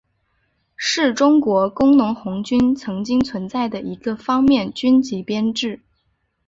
是中国工农红军曾经存在的一个方面军级编制。